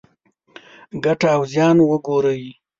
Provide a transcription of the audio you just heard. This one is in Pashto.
ګټه او زیان وګورئ.